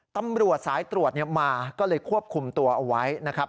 ตำรวจสายตรวจมาก็เลยควบคุมตัวเอาไว้นะครับ